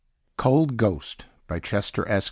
COLD GHOST by Chester S.